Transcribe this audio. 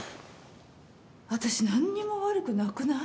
私何にも悪くなくない？